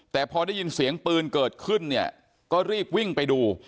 แต่พอได้ยินเสียงปืนเกิดขึ้นเนี่ยก็รีบวิ่งไปดู